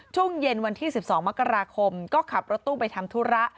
ช่วงเย็นวันที่๑๒มกราคมก็ขับรถตู้ไปทำธุระ